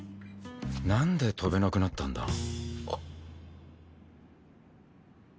なんで跳べなくなったんだ？